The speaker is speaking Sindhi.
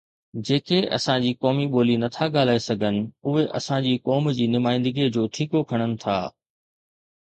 جيڪي اسان جي قومي ٻولي نٿا ڳالهائي سگهن، اهي اسان جي قوم جي نمائندگيءَ جو ٺيڪو کڻن ٿا.